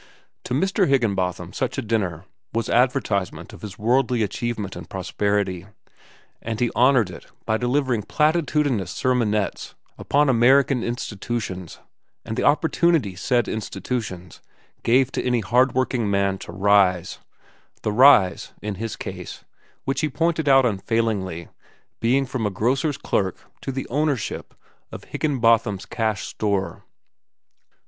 To Mr. Higginbotham such a dinner was advertisement of his worldly achievement and prosperity, and he honored it by delivering platitudinous sermonettes upon American institutions and the opportunity said institutions gave to any hard working man to rise—the rise, in his case, which he pointed out unfailingly, being from a grocer's clerk to the ownership of Higginbotham's Cash Store.